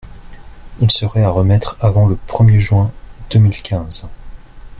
Il serait à remettre avant le premier juin deux mille quinze.